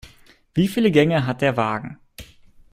Wieviele Gänge hat der Wagen?